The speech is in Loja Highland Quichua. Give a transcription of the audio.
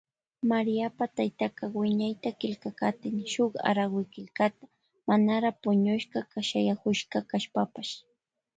Maríapa taytaka wiñayta killkakatin shun arawikillkata manara puñushpa shayakushka kashpapash.